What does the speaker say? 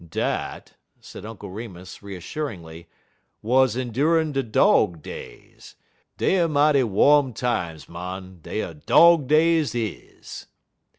"Dat," said Uncle Remus, reassuringly, "wuz endurin' er de dog days. Dey er mighty wom times, mon, dem ar dog days is."